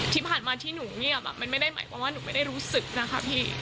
ที่ผ่านมาที่หนูเงียบมันไม่ได้หมายความว่าหนูไม่ได้รู้สึกนะคะพี่